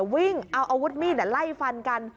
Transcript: วิ่งเอาอาวุธมีดไล่ฟันกัน